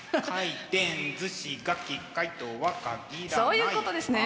そういうことですね。